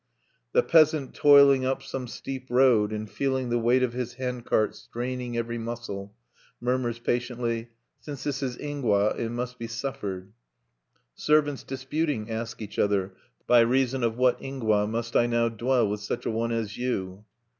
The peasant toiling up some steep road, and feeling the weight of his handcart straining every muscle, murmurs patiently: "Since this is ingwa, it must be suffered." Servants disputing, ask each other, "By reason of what ingwa must I now dwell with such a one as you?"